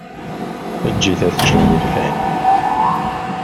Eǧǧ-it ad t-ččen yilfan.